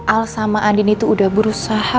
al sama andin itu udah berusaha